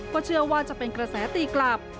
ก็เชื่อว่าจะเป็นกระแสตีกลับ